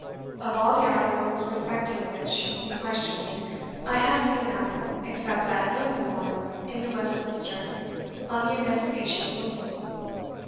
Of all the articles respecting which you question me, I have seen none, except that notable one in the 'Westminster' on the Emancipation of Women.